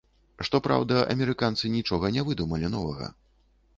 Што праўда, амерыканцы нічога не выдумалі новага.